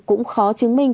cũng khó chứng minh